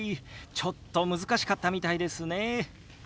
ちょっと難しかったみたいですね。